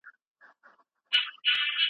که پوهه وي نو وخت نه ضایع کیږي.